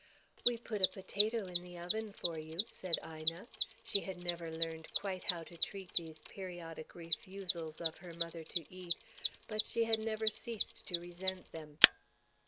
"We put a potato in the oven for you," said Ina. She had never learned quite how to treat these periodic refusals of her mother to eat, but she never had ceased to resent them.